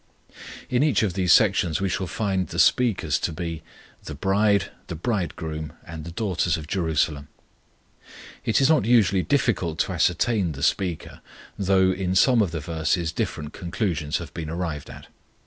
In each of these sections we shall find the speakers to be the bride, the Bridegroom, and the daughters of Jerusalem; it is not usually difficult to ascertain the speaker, though in some of the verses different conclusions have been arrived at.